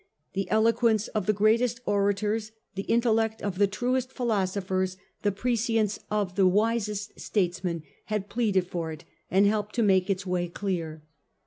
The eloquence of the greatest orators, the intellect of the truest philosophers, the prescience of the wisest statesmen had pleaded for it and helped to make its way clear.